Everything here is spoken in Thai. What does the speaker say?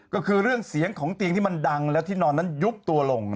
ก็คือเรื่องเสียงของเตียงที่มันดังแล้วที่นอนนั้นยุบตัวลง